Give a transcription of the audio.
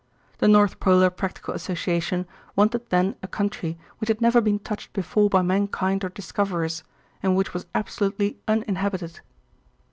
The North Polar Practical Association wanted then a country which had never been touched before by mankind or discoverers, and which was absolutely uninhabited.